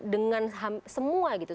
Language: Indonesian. dengan semua gitu